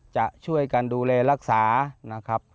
จะช่วยกันดูแลรักษานะครับ